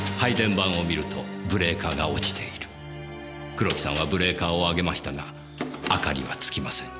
黒木さんはブレーカーを上げましたが明かりは点きません。